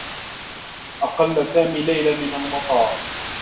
أقلّ سامي ليلى من المطار.